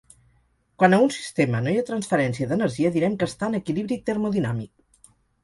Quan a un sistema no hi ha transferència d'energia direm que està en equilibri termodinàmic.